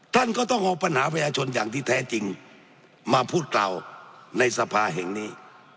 ท่านก็ต้องเอาปัญหาประชาชนอย่างที่แท้จริงมาพูดกล่าวในสภาแห่งนี้